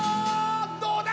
どうだ！